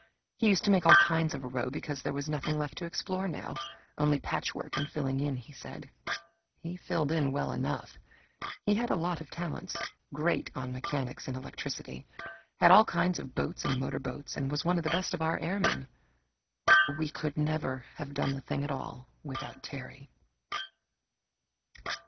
He used to make all kinds of a row because there was nothing left to explore now, only patchwork and filling in, he said. He filled in well enough he had a lot of talents great on mechanics and electricity. Had all kinds of boats and motorcars, and was one of the best of our airmen. We never could have done the thing at all without Terry.